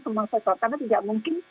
semua sektor karena tidak mungkin